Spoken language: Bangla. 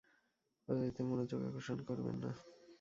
অযাচিত মনোযোগ আকর্ষণ করবেন না।